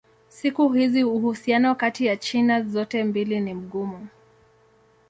Siku hizi uhusiano kati ya China zote mbili ni mgumu.